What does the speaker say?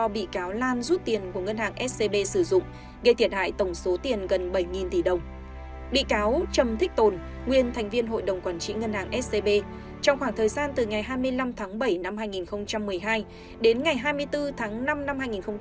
bị cáo trầm thích tồn nguyên thành viên hội đồng quản trị ngân hàng scb trong khoảng thời gian từ ngày hai mươi năm tháng bảy năm hai nghìn một mươi hai đến ngày hai mươi bốn tháng năm năm hai nghìn một mươi bảy